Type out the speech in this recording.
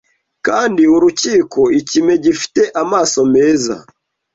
Kandi urukiko ikime gifite amaso meza